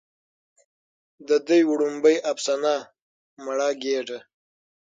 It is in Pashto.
د دوي وړومبۍ افسانه " مړه ګيډه